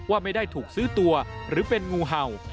ว่าไม่ได้ถูกซื้อตัวหรือเป็นงูเห่า